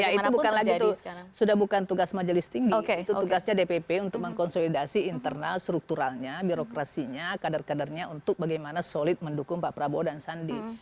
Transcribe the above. ya itu sudah bukan tugas majelis tinggi itu tugasnya dpp untuk mengkonsolidasi internal strukturalnya birokrasinya kader kadernya untuk bagaimana solid mendukung pak prabowo dan sandi